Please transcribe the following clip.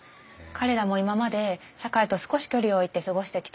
彼らも今まで社会と少し距離を置いて過ごしてきたんです。